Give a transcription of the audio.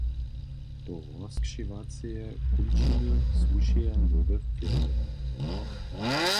Do rozkćěwaceje kónčiny słušeja nowe firmy.